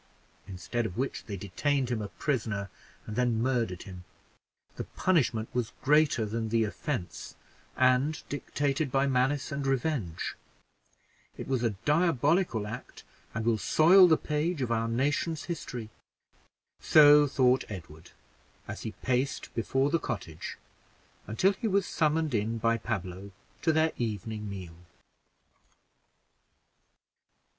instead of which they detained him a prisoner and then murdered him. The punishment was greater than the offense, and dictated by malice and revenge; it was a diabolical act, and will soil the page of our nation's history." So thought Edward, as he paced before the cottage, until he was summoned in by Pablo to their evening meal.